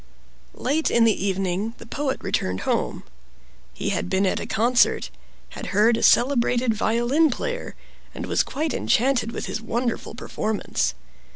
Late in the evening the Poet returned home. He had been at a concert, had heard a celebrated violin player, and was quite enchanted with his wonderful performance.